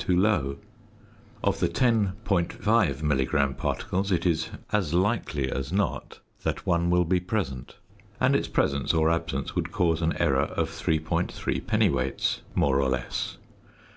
too low. Of the ten .5 milligram particles, it is as likely as not that one will be present, and its presence or absence would cause an error of 3.3 dwts., more or less.